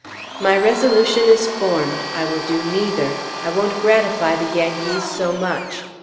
My resolution is formed! I will do neither; I won't gratify the Yankees so much.